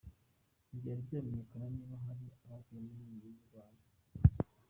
Ntibyari byamenyekana niba hari abaguye muri iyo mirwano.